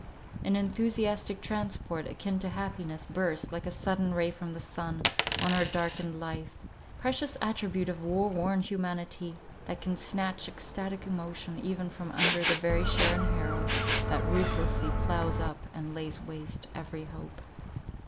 An enthusiastic transport, akin to happiness, burst, like a sudden ray from the sun, on our darkened life. Precious attribute of woe worn humanity! that can snatch extatic emotion, even from under the very share and harrow, that ruthlessly ploughs up and lays waste every hope.